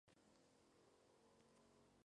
Sus ojos eran azules.